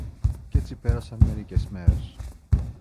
Κι έτσι πέρασαν μερικές μέρες.